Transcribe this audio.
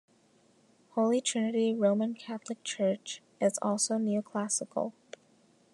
Holy Trinity Roman Catholic church is also neoclassical.